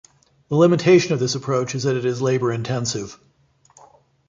The limitation of this approach is that it is labor-intensive.